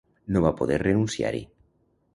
No va poder renunciar-hi.